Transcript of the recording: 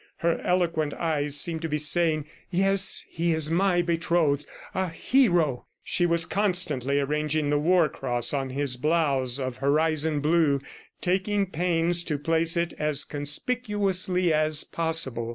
Her eloquent eyes seemed to be saying, "Yes, he is my betrothed ... a hero!" She was constantly arranging the war cross on his blouse of "horizon blue," taking pains to place it as conspicuously as possible.